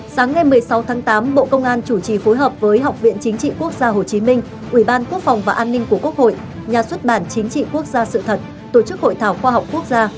sáng ngày một mươi sáu tháng tám bộ công an chủ trì phối hợp với học viện chính trị quốc gia hồ chí minh ủy ban quốc phòng và an ninh của quốc hội nhà xuất bản chính trị quốc gia sự thật tổ chức hội thảo khoa học quốc gia